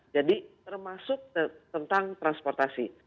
jadi termasuk tentang transportasi